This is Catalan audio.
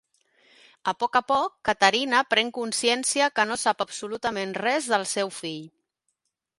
A poc a poc Caterina pren consciència que no sap absolutament res del seu fill.